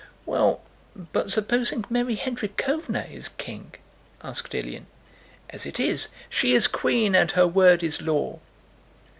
"Well, but supposing Mary Hendríkhovna is 'King'?" asked Ilyín. "As it is, she is Queen, and her word is law!"